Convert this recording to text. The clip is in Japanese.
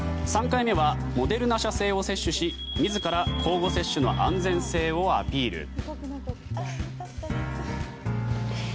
３回目はモデルナ社製を接種し自ら交互接種の安全性をアピール。